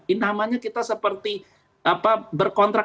ini namanya kita seperti berkontrak